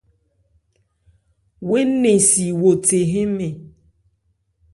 Wo énɛn si wo the hɛ́nmɛn.